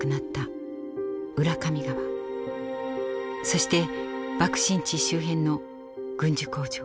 そして爆心地周辺の軍需工場。